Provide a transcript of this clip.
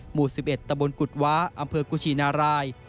หมู่๑๑ตะบนกุฎว้าอำเภอกุชินาราย